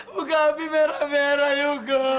muka abi merah merah yuka